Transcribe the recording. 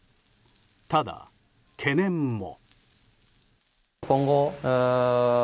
ただ、懸念も。